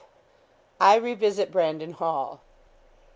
I REVISIT BRANDON HALL.